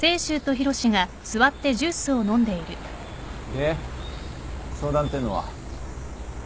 で相談っていうのは？